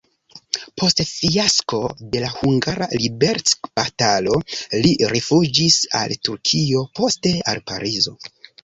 Post fiasko de la hungara liberecbatalo li rifuĝis al Turkio, poste al Parizo.